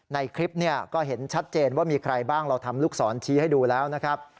ในคลิปเนี่ยก็เห็นชัดเจนว่ามีใครบ้างเราทำลูกศรชี้ให้ดูแล้วนะครับ